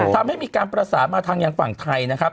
ทำให้มีการประสามาร์ททางงานฝั่งไทย